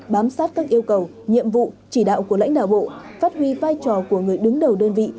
bám sát các yêu cầu nhiệm vụ chỉ đạo của lãnh đạo bộ phát huy vai trò của người đứng đầu đơn vị